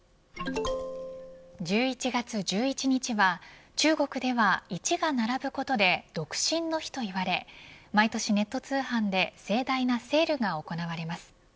１１月１１日は中国では１が並ぶことで独身の日と言われ毎年、ネット通販で盛大なセールが行われます。